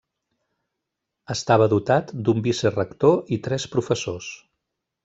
Estava dotat d'un vicerector i tres professors.